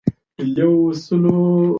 خو ماسک د حل لاره نه ده.